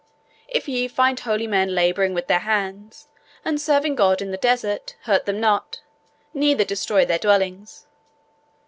If ye find holy men labouring with their hands, and serving God in the desert, hurt them not, neither destroy their dwellings.